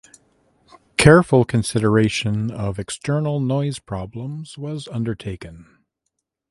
Careful consideration of external noise problems was undertaken.